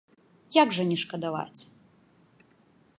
Як жа не шкадаваць?